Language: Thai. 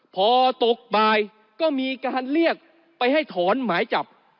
พอตกบ่ายก็มีการเรียกไปให้ถอนหมายจับ